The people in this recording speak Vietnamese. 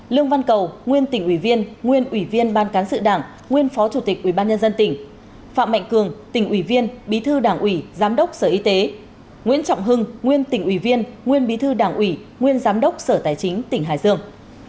lương văn cầu nguyên tỉnh ủy viên nguyên ủy viên ban cán sự đảng nguyên phó chủ tịch ubnd tỉnh phạm mạnh cường tỉnh ủy viên bí thư đảng ủy giám đốc sở y tế nguyễn trọng hưng nguyên tỉnh ủy viên nguyên bí thư đảng ủy nguyên giám đốc sở tài chính tỉnh hải dương